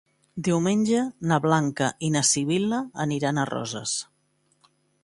Diumenge na Blanca i na Sibil·la aniran a Roses.